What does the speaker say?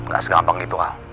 gak segampang gitu al